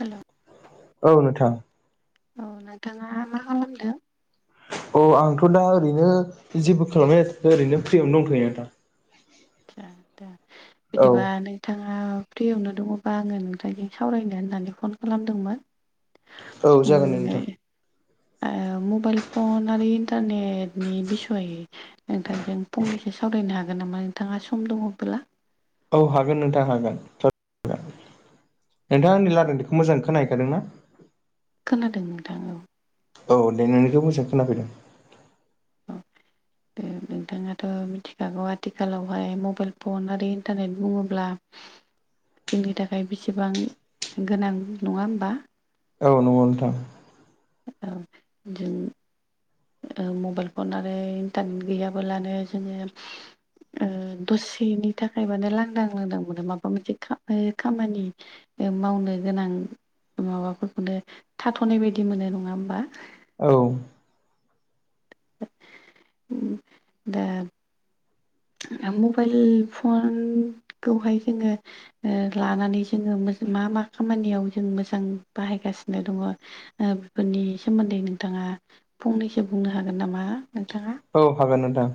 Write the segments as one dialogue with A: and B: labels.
A: Hello
B: औ नोंथां।
A: औ नोंथाङा मा खालामदों?
B: अ आंथ' दा ओरैनो जेबो खालामनाय ओरैनो फ्रियावनो दंथ'यो नोंथां।
A: आतसा दे
B: औ
A: बिदिबा नै नोंथाङा फ्रियावनो दङबा आङो नोंखायजों सावरायनो होननानै फन खालामदोंमोन।
B: औ जागोन
A: उम
B: नोंथां।
A: ओ मबेइल फन आरो इन्टारनेटनि बिसय नोंथांजों फंनैसो सावरायनो हागोन नामा नोंथाङा सम दङ बोला?
B: औ हागोन नोंथां हागोन नोंथांङा आंनि रालायनायफोरखौ मोजां खोनाहैखादों ना?
A: खोनादों नोंथाङा औ।
B: औ दे नोंनिखौ मोजां खोनाफैदों।
A: औ नोंथाङाथ' मिथिखागौ आथिखालावहाय मबाइल फन आरो इन्टारनेट बुङोब्ला जोंनि थाखाय बेसेबां गोनां नङा होमबा?
B: औ नंगौ नोंथां।
A: जों ओ मबाइल फन आरो इन्टारनेट गैयाबोलानो जोंङो ओ दसेनि थाखाय माने लांदां लांदां मोनो माबा मोनसे खमानि खामानि ओ मावनो गोनां माबाफोरखौनो थाथ'नाय बायदि मोनो नङा होमबा
B: औ
A: दा दा मबाइल फनखौहाय जोंङो ओ लानानै जोङो मा मा खामानियाव जों मोजां बाहायगासिनो दङ? बेफोरनि सोमोन्दै नोंथाङा फंनैसो बुंनो हागोन नामा नोंथाङा।
B: औ हागोन नोंथां।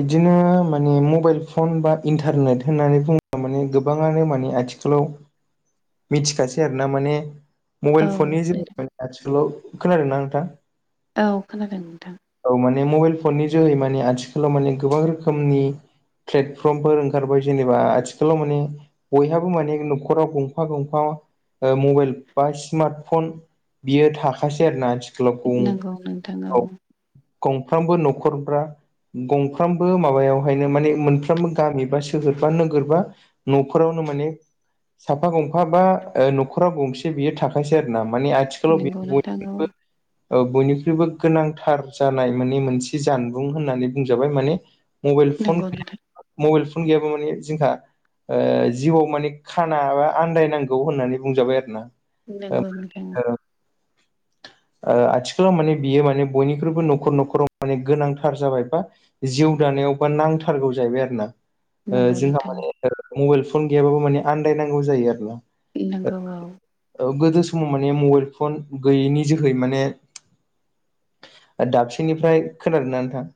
B: इदिनो माने मबाइल फन बा इन्टारनेट होननानै बुङो ओम गोबाङानो माने आथिखालाव मिथिखासै आरोना माने
A: औ
B: मबाइल फननि
A: नोंथां
B: जोहोयै आथिखालाव खोनादों ना नोंथां?
A: औ खोनादों नोंथां।
B: औ माने मबाइल फननि जोहै माने आथिखालाव माने गोबां रोखोमनि प्लेटफर्मफोर ओंखारबाय जेनेबा आथिखालाव माने बयहाबो माने न'खराव गंफा गंफा मबाइल बा स्मार्टफन बियो थाखासै आरो ना
A: नंगौ नोंथां औ
B: गंफ्रामबो न'खरफ्रा गंफ्रामबो माबायावहायनो माने मोनफ्रोमबो गामि बा सोहोर बा नोगोर बा न'फोरावनो माने साफा गंफा बा न'खराव गंसे बियो थाखायसै आरो ना माने आथिखाल [unintelligible]
A: नंगौ नोंथां औ
B: बयनिख्रुबो ओ बयनिख्रुइबो गोनांथार। जानाय माने मोनसे जानबुं होननानै बुंजाबाय माने मबाइल फन
A: नंगौ
B: गै
A: नोंथां
B: मबाइल फन गैयाब्ला माने जोंहा जिउआव माने खाना बा आन्दायनांगौ होननानै बुंजाबाय आरो ना।
A: नंगौ नोंथां ओं
B: आथिखालाव माने बियो माने बयनिख्रुइबो न'खर न'खराव माने गोनांथार जाबाय बा जिउ दानायावबा नांथारगौ जाहैबाय आरो ना ओ
A: नंगौ
B: जोंहा
A: नोंथां
B: माने मबाइल फन गैयाबाबो माने आन्दायनांगौ जायो आरो ना।
A: नांगौ औ।
B: गोदो समाव माने मबाइल फन गैयैनि जोहै माने दाबसेनिफ्राय खोनादों ना नोंथां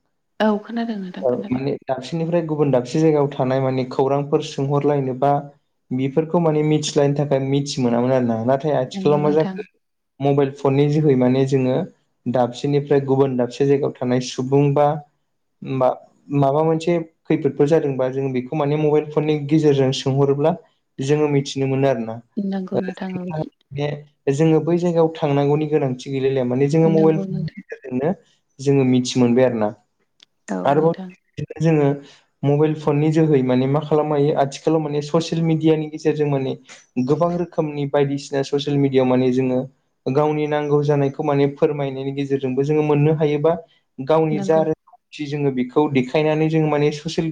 A: औ खोनादों नोंथां
B: ओ
A: खोनादों।
B: माने दाबसेनिफ्राय गुबुन दाबसे जायगायाव थानाय माने खौरांफोर सोंहरलायनोबा बेफोरखौ माने मिथिलायनो थाखाय मिथि मोनामोन आरो ना नाथाय
A: नंगौ
B: आथिखालाव मा
A: नोंथां
B: जाखो मबाइल फननि जोहै माने जोंङो दाबसेनिफ्राय गुबुन दाबसे जायगायाव थानाय सुबुं बा मा माबामोनसे खैफोदफोर जादोंबा जों बेखौ माने मबाइल फननि गेजेरजों सोंहरोब्ला जोंङो मिथिनो मोनो आरोना
A: नंगौ नोंथां औ
B: [unintelligible] बे जोंङो बै जायगायाव थांनांगौनि गोनांथि गैलालया माने जोंङो मबेल
A: नंगौ नोंथां
B: जोंनो जोंङो मिथि मोनबाय आरो ना
A: औ नोंथां
B: आरोबाव [unintelligible] जोंङो मबाइल फननि जोहै माने मा खालामनो हायो आथिखालाव माने ससियेल मिडियानि गेजेरजों माने गोबां रोखोमनि बायदिसिना ससियेल मिडियाआव माने जोंङो गावनि नांगौ जानायखौ माने फोरमायनायनि गेजेरजोंबो जोंङो मोननो हायोबा गावनि जा
A: नंगौ
B: रो थि जोंङो बेखौ देखायनानै जों माने ससेल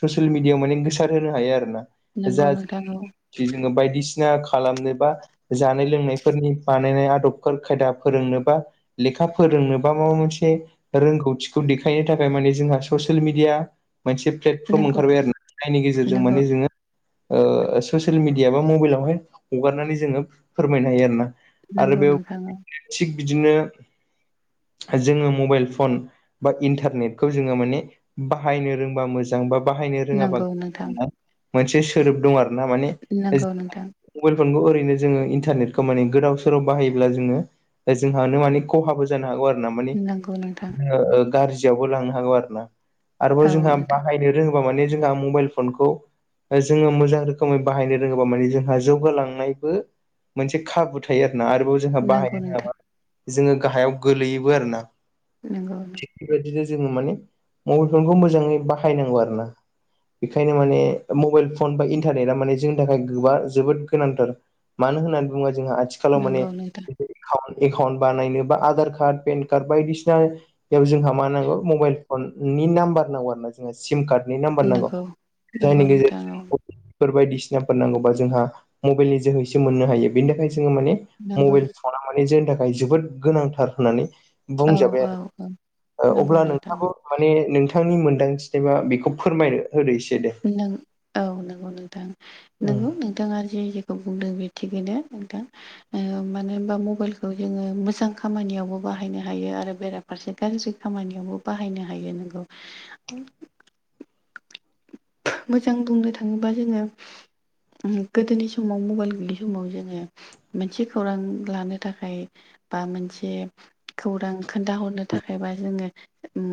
B: ससियेल मिडियायाव माने गोसार होनो हायो आरोना।
A: नंगौ
B: जा
A: नोंथां औ
B: जोंङो बायदिसिना खालामनो बा जानाय लोंनायफोरनि बानायनाय आदबफोर खायदा फोरोंनोबा लेखा फोरोंनोबा माबा मोनसे रोंगौथिखौ दि खायनि थाखाय माने जोंहा ससियेल मिडिया मोनसे प्लेटफर्म
A: नंगौ
B: ओंखारबाय आरो ना जायनि गेजेरजों
A: नंगौ
B: माने जोङो ओ ससियेल मिडिया बा मबाइलावहाय हगारनानै जोङो फोरमायनो हायो आरो ना। आरो
A: नंगौ
B: बेयाव
A: नोंथां औ
B: थिग बिदिनो जोङो मबाइल फन बा इन्टारनेटखौ जोङो माने बाहायनो रोंबा मोजां बा बाहायनो रोङाबा
A: नंगौ नोंथां
B: मोनसे सोदोब दं आरोना माने
A: नंगौ नोंथां
B: मबाइल फनखौ ओरैनो जोङो इन्टारनेटखौ माने गोदाव सोराव बाहायोब्ला जोङो जोंहानो माने खहाबो जानो हागौ आरो ना। माने
A: नंगौ नोंथां
B: गाज्रियावबो लांनो हागौ आरो ना। आरोबाव
A: औ
B: जोंहा
A: नोंथां
B: बाहायनो रोङोबा माने जोंहा मबाइल फनखौ जोङो मोजां रोखोमै बाहायनो रोङोबा माने जोंहा जौगालांनायबो मोनसे खाबु थायो आरोना, आरोबाव जोंहा
A: नंगौ
B: बाहायनो
A: नोंथां
B: रोङाबा जोङो गाहायाव गोलैयोबो आरो ना।
A: नंगौ
B: बेबायदिनो जोङो माने मबाइल फनखौ मोजाङै बाहायनांगौ आरो ना। बेखायनो माने मबाइल फन बा इन्टारनेटा माने जोंनि थाखाय गोबा जोबोद गोनांथार मानो होननानै बुंबा जोंहा आथि आथिखालाव माने
A: नंगौ नोंथां
B: एकउन एकाउन्ट बानायनो बा आधार कार्ड पेन कार्ड बायदिसिना बेयाव जोंहा मा नांगौ मबाइल फन नि नाम्बार नांगौ आरो ना सिम कार्डनि नाम्बार नांगौ
A: नंगौ
B: जायनि
A: नंगौ नोंथां औ
B: गेजेरजों फोर बायदिसिनाफोर नांगौबा जोंहा मबाइलनि जोहैसो मोननो हायो बेनि थाखाय जोङो माने
A: नंगौ
B: मबाइल फना जोंनि थाखाय जोबोद गोनांथार होननानै
A: औ
B: बुंजाबाय
A: औ
B: आरो
A: औ
B: ओ
A: नंगौ
B: अब्ला
A: नोंथां औ
B: नोंथाबो माने नोंथांनि मोन्दांथिनायबा बेखौ फोरमायनो होदो एसे दे।
A: नों औ नंगौ नोंथां
B: दे
A: नोंगौ नों थाङा जे जेखौ बुंदों बे थिगैनो नोंथां मानो होनबा मबाइलखौ जोङो मोजां खामानियावबो बाहायनो हायो आरो बेरा फारसे गाज्रि खामानियावबो बाहायनो हायो नोंगौ मोजां बुंनो थाङोबा जोङो उम गोदोनि समाव मबाइल गैयै समाव जोङो मोनसे खौरां लानो थाखाय बा मोनसे खौरां खोन्थाहरनो थाखायबा जोङो उम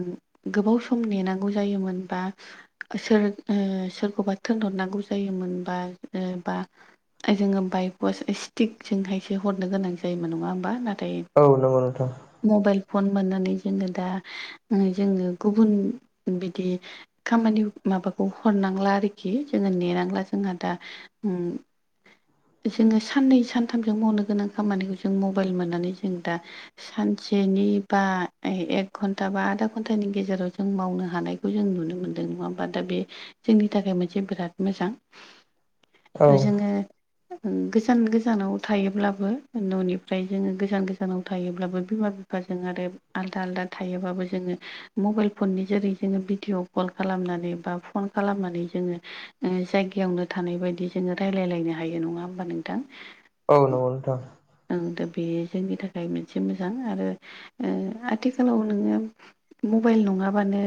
A: गोबाव सम नेनांगौ जायोमोन बा सोर ओ सोरखौबा थोनहरनांगौ जायोमोन बा ओ बा जोङो बाइकवास स्टिकजोंहायसो हरनो गोनां जायोमोन नङा होमबा नाथाय
B: औ नंगौ नोंथां
A: मबाइल फन मोननानै जोङो दा जोङो गुबुन बिदि खामानि माबा खौ हरनांला आरोखि जोङो नेनांला जोंहा दा उम जोङो साननै सानथामजों मावनो गोनां खामानिखौ जों मबाइल मोननानै जों दा सानसेनि बा एक घन्टा बा आदा घन्टानि गेजेराव जों मावनो हानाय खौ जों नुनो मोन्दों नङा होमबा दा बे जोंनि थाखाय मोनसे बिराद मोजां।
B: औ
A: जोङो गोजान गोजानाव थायोब्लाबो न'निफ्राय जोङो गोजान गोजानाव थायोब्लाबो बिमा बि फाजों आरो आलदा आलदा थायोबाबो जोङो मबाइल फननि जेरै जोङो भिडिअ कल खालामनानै बा फन खालामनानै जोङो ओ जायगायावनो थानाय बायदि जोङो रायलायलायनो हायो नङा होमबा नोंथां?
B: औ नंगौ नोंथां
A: ओ दा बे जोंनि थाखाय मोनसे मोजां आरो ओ आथिखालाव नोङो मबाइल नङाबानो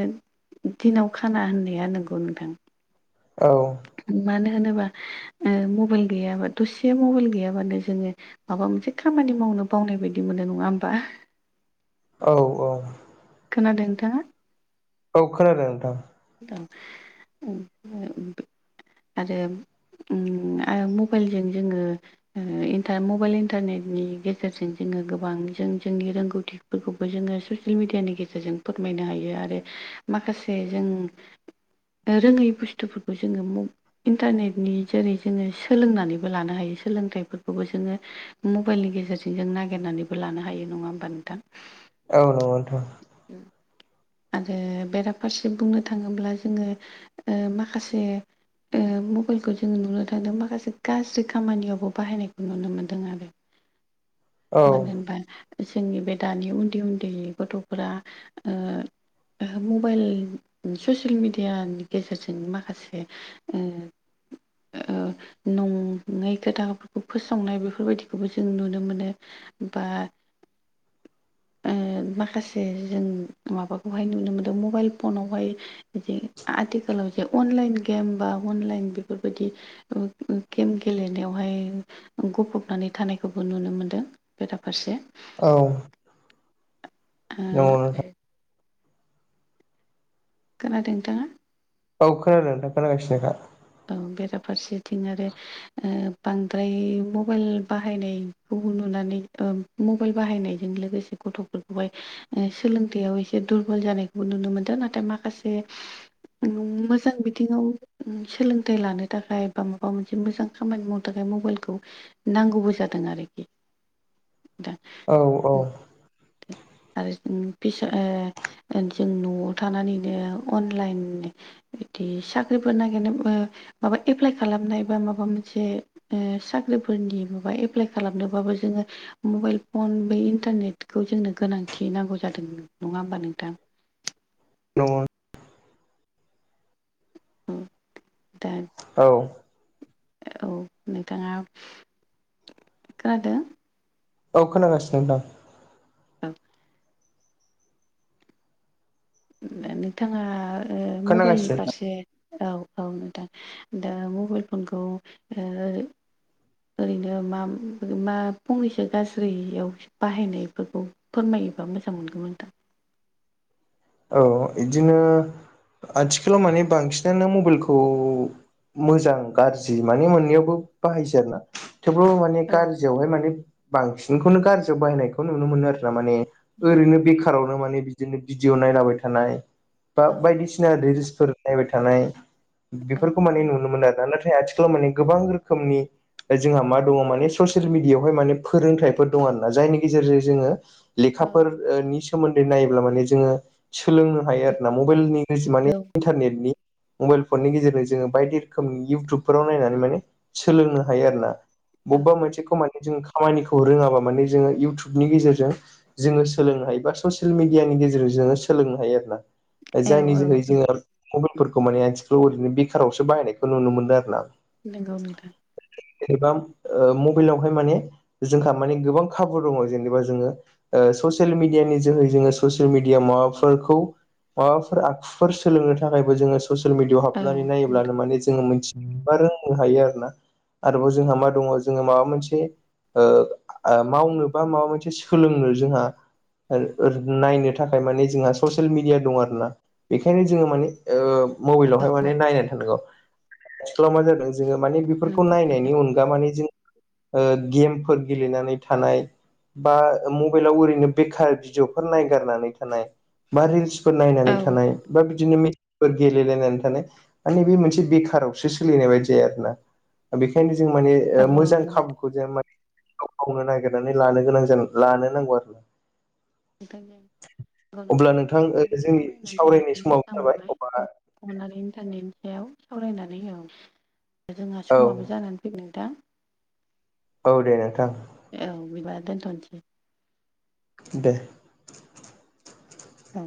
A: दिनाव खाना होननाया नंगौ नोंथां।
B: औ
A: मानो होनोबा ओ मबाइल गैयाबा दसेया मबाइल गैयाबानो जोङो माबा मोनसे खामानि मावनो बावनाय बायदि मोनो नङा होमबा?
B: औ औ
A: खोनादों नोंथाङा?
B: औ खोनादों नोंथां
A: औ उम आरो उम आरो मबाइलजों जोङो ओ इन्टा मबाइल इन्टारनेटनि गेजेरजों जोङो गोबां जों जोंनि रोंगौथि फोरखौबो जोङो ससियेल मिेडियानि गेजेरजों फोरमायनो हायो आरो माखासे जों रोङै बुस्थुफोरखौ जोङो म इन्टारनेटनि जेरै जोङो सोलोंनानैबो लानो हायो सोलोंथाइफोरखौबो जोङो मबाइलनि गेजेरजों जों नागिरनानैबो लानो हायो नङा होमबा नोंथां?
B: औ नंगौ नोंथां
A: आरो बेराफारसे बुंनो थाङोब्ला जोङो ओ माखासे ओ मबाइलखौ जोङो नुनो थांदों माखासे गाज्रि खामानियावबो बाहायनायखौ नुनो मोनदों आरो
B: औ
A: मानो होनबा जोंनि बे दानि उन्दै उन्दैनि गथ' फोरा‌ ओ मबाइल ससियेल मिडियानि गेजेरजों माखासे उम ओ नङै खोथाफोरखौ फोसावनाय बेफोरबायदिखौबो जों नुनो मोनो बा माखासे जों माबाखौहाय नुनो मोनदों मबाइल फनावहाय बिदि आथिखालाव जे अनलाइन गेम बा अनलाइन बेफोरबायदि गेम गेलेनायावहाय गफबनानै थानायखौबो नुनो मोन्दों बेराफारसे।
B: औ नंगौ
A: आरो
B: नोंथां
A: खोनादों नोंथाङा?
B: औ खोनादों नोंथां खोनागासिनोखा।
A: औ बेराफारसेथिं आरो बांद्राय मबाइल बाहायनायखौ नुनानै ओ मबाइल बाहायनायजों लोगोसे गथ'फोरखौहाय सोलोंथायाइयाव एसे दुरबल जानायखौबो नुनो मोन्दों नाथाय माखासे नों मोजां बिथिङाव सोलोंथाइ लानो थाखाय बा माबा मोनसे मोजां खामानि मावनो थाखाय मबाइलखौ नांगौबो जादों आरोखि दा
B: औ औ
A: उम, आरो फिसा ओ ओ जों न'आव थानानैनो अनलाइन बिदि साख्रिफोर नागिरनाय माबा एप्लाइ खालामनाय बा माबा मोनसे ओ साख्रिफोरनि माबा एप्लाइ खालामनोबाबो जोङो मबाइल फन बै इन्टारनेट खौ जोंनो गोनांथि नांगौ जादों नङा होमबा नोंथां?
B: नंगौ
A: औ दे
B: औ
A: औ नोंथाङा खोनादों?
B: औ खोनागासिनो दं।
A: औ दा नोंथाङा ओ मबाइलनि
B: खोनागासिनो
A: फारसे औ औ नोंथां दा मबाइल फनखौ ओ ओरैनो मा मा फंनैसो गाज्रियाव बाहायनायफोरखौ फोरमायोबा मोजां मोनगौमोन दां।
B: औ इदिनो आथिखालाव माने बांसिनानो मबेलखौ मोजां गाज्रि माने मोननैयावबो बाहायसै आरो ना। थेवब्लाबो माने
A: औ
B: गारजियावहाय माने बांसिनखौनो गारजियाव बाहायनायखौ नुनो मोनो आरो ना माने ओरैनो बेखारावनो माने बिदिनो भिडिअ' नायलाबाय थानाय बा
A: नंगौ औ
B: बायदिसिना [unintelligible] फोर नायबाय थानाय बेफोरखौ माने नुनो मोनो आरो ना। नाथाय आथि त' माने गोबां रोखोमनि जोंहा मा दङ' माने ससियेल मिडियावहाय माने फोरोंथायफोर दङ' आरो ना। जायनि गेजेरजों जोङो लेखाफोर ओ नि सोमोन्दै नायोब्ला माने जोङो सोलोंनो हायो
A: बे
B: आरो ना। मबेलनि [unintelligible] माने
A: औ
B: इन्टारनेटनि मबेलफोरनि गेजेरजों जोङो बायदि रोखोमनि इउटुबफोराव नायनानै माने सोलोंनो हायो आरो ना। बबबा
A: औ
B: मोनसेखौ मानि जों खामानिखौ रोङाबा माने जोङो इउटुबनि गेजेरजों जोङो सोलोंनो हायो बा ससियेल मिडियानि गे जेराव जोङो सोलोंनो हायो आरो ना। ओ जायनि
A: औ
B: जोहै
A: औ
B: जोङो मबेलफोरखौ माने आथिखालाव ओरैनो बेखारावसो बाहायनायखौ नुनो मोनदो आरो ना।
A: नंगौ नोंथां।
B: एबा ओ मबेलावहाय माने जोंहा माने गोबां खाबु दङ' जेनेबा जोङो ओ ससियेल मिडियानि जोहै जोङो सस मेडियामाव माबाफोरखौ माबाफोर आखुफोर सोलोंनो थाखायबो जोङो ससियेल मिडियाव
A: औ
B: हाबनानै नायोब्लानो माने जोङो मोनथिनो बा रोंनो हायो आरो ना। आरोबाव जोंहा मा दङ' जोङो माबा मोनसे ओ आ मावनो बा माबा मोनसे सोलोंनो जोंहा [unintelligible] नायनो थाखाय माने जोंहा ससियेल मिडिया दं आरो ना। बेखायनो जोङो माने ओ मबेलावहाय माने नायनानै थानांगौ। आथिखालाव मा जादों जोङो माने बेफोरखौ नाय [unintelligible] नायनि अनगा मानि जों ओ गेमफोर गेलेनानै थानाय बा ओ मबेलाव ओरैनो बेखार भिडिअ'फोर नायगारनानै [unintelligible] बा रिलसफोर
A: औ
B: नायनानै थानाय बा [unintelligible] गेलेलायनानै थानाय माने बे मोनसे बेखारावसो सोलिनाय बायदि आरो ना। दा बेखायनो जों माने
A: औ
B: ओ
A: औ
B: मोजां
A: नोंथां
B: खाबुखौ जेन माने मावनो नागिरनानै लानो गोनां जानां लानो नांगौ आरो ना।
A: नोंथां ओं। औ
B: अब्ला नोंथां ओ जोंनि सावरायनाय समाव
A: मोजां
B: जाबाय
A: मोनबाय
B: अ
A: अननानै इन्टारनेटनि सायाव सावरायनानै औ जोंहा
B: औ
A: समाबो जानानै फै नोंथां।
B: औ दे नोंथां।
A: औ बेबा दोनथ'नोसै।
B: दे।
A: औ।